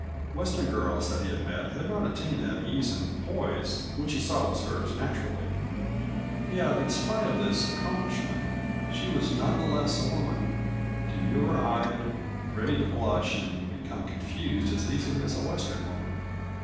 Western girls that he had met had not attained that ease and poise which he saw was hers so naturally. Yet in spite of this accomplishment she was none the less a woman demure eyed, ready to blush and become confused as easily as a Western woman.